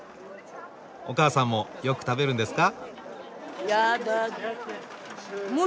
おかあさんもよく食べるんですか？